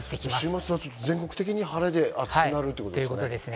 週末は全国的に晴れて暑くなるということですね。